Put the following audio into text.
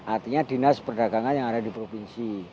artinya dinas perdagangan yang ada di provinsi